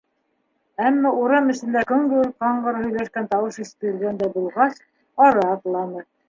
Әммә урам эсендә көңгөр-ҡаңғыр һөйләшкән тауыш ишетелгәндәй булғас, ары атланы.